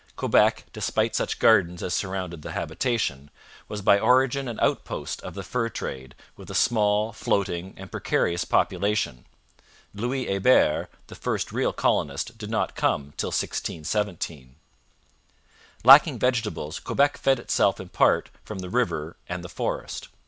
Quebec, despite such gardens as surrounded the habitation, was by origin an outpost of the fur trade, with a small, floating, and precarious population. Louis Hebert, the first real colonist, did not come till 1617. Lacking vegetables, Quebec fed itself in part from the river and the forest.